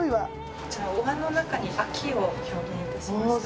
こちらお椀の中に秋を表現いたしました。